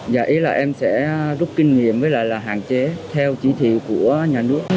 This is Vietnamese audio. và ý là em sẽ rút kinh nghiệm với lại là hạn chế theo chỉ thị của nhà nước